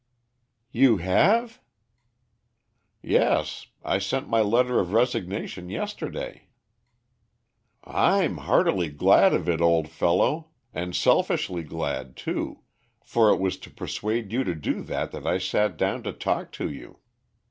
"You have?" "Yes; I sent my letter of resignation yesterday." "I'm heartily glad of it, old fellow, and selfishly glad, too, for it was to persuade you to do that that I sat down to talk to you.